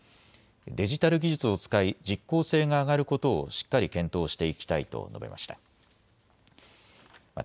デジタル技術を使い実効性が上がることをしっかり検討していきたいと述べました。